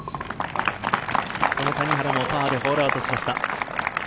谷原もパーでホールアウトしました。